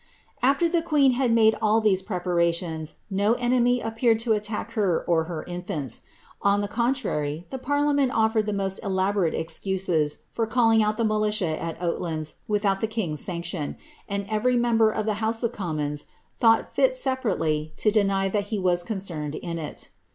'' AfWr the queen had made all these preparations, no enemy appeared to attack her or her infants. On the contrary, the parliament ofleied the most elaborate excuses for calling out the militia at Oatlands with out the king's sanction ; and every member of the House of Commont thou^it fit separately to deny that he was concerned in it.